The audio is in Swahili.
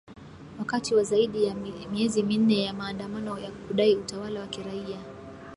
wakati wa zaidi ya miezi minne ya maandamano ya kudai utawala wa kiraia